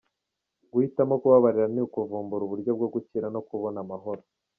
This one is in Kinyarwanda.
Guhitamo kubabarira ni ukuvumbura uburyo bwo gukira no kubona amahoro.